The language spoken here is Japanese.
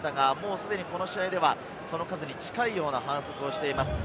すでにこの試合では、その数に近い反則をしています。